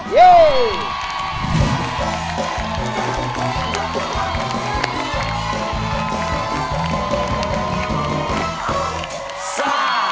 เย้